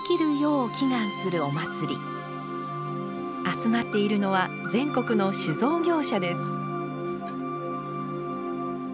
集まっているのは全国の酒造業者です。